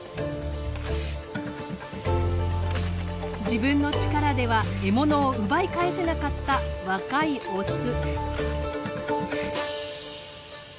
自分の力では獲物を奪い返せなかった若いオス。